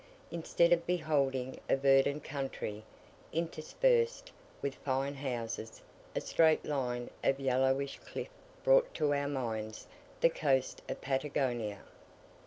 Instead of beholding a verdant country, interspersed with fine houses, a straight line of yellowish cliff brought to our minds the coast of Patagonia.